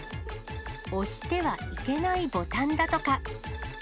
押してはいけないボタンだとか。